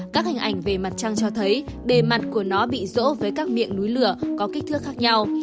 các hình ảnh về mặt trăng cho thấy bề mặt của nó bị rỗ với các miệng núi lửa có kích thước khác nhau